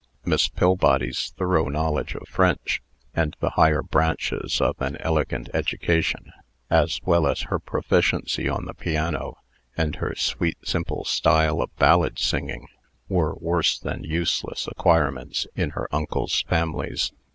Miss Pillbody's thorough knowledge of French, and the higher branches of an elegant education, as well as her proficiency on the piano, and her sweet, simple style of ballad singing, were worse than useless acquirements in her uncles' families.